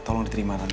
tolong diterima tante